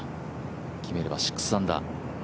決めれば６アンダー。